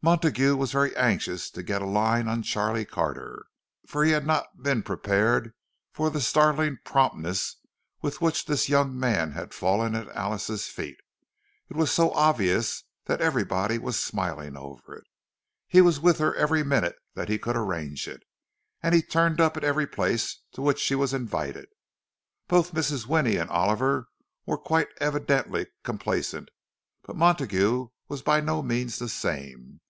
Montague was very anxious to get a "line" on Charlie Carter; for he had not been prepared for the startling promptness with which this young man had fallen at Alice's feet. It was so obvious, that everybody was smiling over it—he was with her every minute that he could arrange it, and he turned up at every place to which she was invited. Both Mrs. Winnie and Oliver were quite evidently complacent, but Montague was by no means the same.